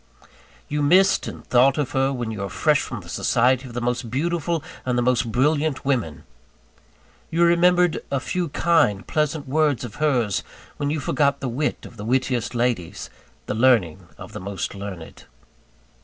You missed and thought of her, when you were fresh from the society of the most beautiful and the most brilliant women. You remembered a few kind, pleasant words of hers when you forgot the wit of the wittiest ladies, the learning of the most learned.